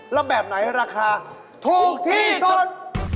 แล้วแบบไหนราคาถูกที่สุด